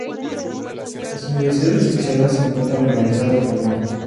Las universidades asociadas se encuentran organizadas por nodos.